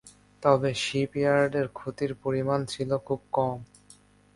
তবে শিপইয়ার্ডের ক্ষতির পরিমাণ ছিল খুবই কম।